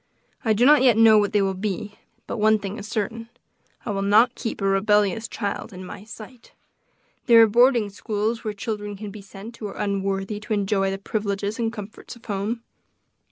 I do not yet know what they will be, but one thing is certain I will not keep a rebellious child in my sight; there are boarding schools where children can be sent who are unworthy to enjoy the privileges and comforts of home."